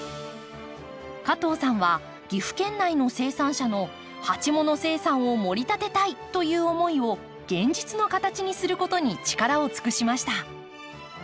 加藤さんは岐阜県内の生産者の鉢物生産を盛り立てたいという思いを現実の形にすることに力を尽くしました。